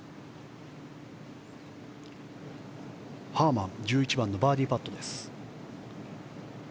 ハーマン、１１番バーディーパット。